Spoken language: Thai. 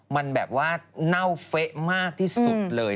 มันแบบว่าเน่าเฟะมากที่สุดเลย